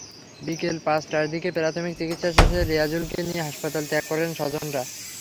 বিকেল পাঁচটার দিকে প্রাথমিক চিকিৎসা শেষে রিয়াজুলকে নিয়ে হাসপাতাল ত্যাগ করেন স্বজনেরা।